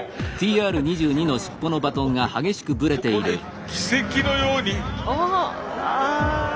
ここで奇跡のように。